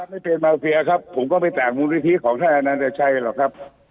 ไม่เป็นมาเฟียครับผมก็ไม่ต่างมูลนิธิของท่านอนันตชัยหรอกครับ